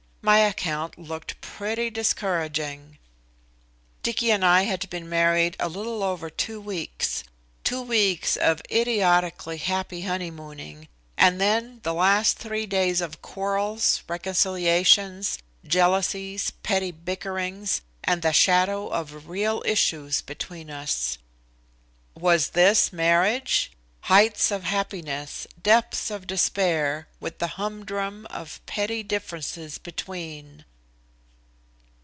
My account looked pretty discouraging. Dicky and I had been married a little over two weeks. Two weeks of idiotically happy honeymooning, and then the last three days of quarrels, reconciliations, jealousies, petty bickerings and the shadow of real issues between us. Was this marriage heights of happiness, depths of despair, with the humdrum of petty differences between?